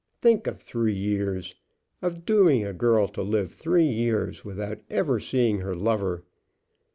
Think of three years, of dooming a girl to live three years without ever seeing her lover!